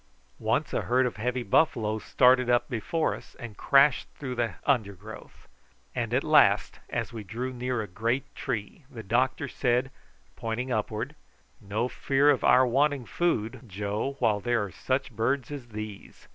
Once a herd of heavy buffaloes started up before us and crashed through the undergrowth; and at last, as we drew near a great tree, the doctor said, pointing upward: "No fear of our wanting food, Joe, while there are such birds as these."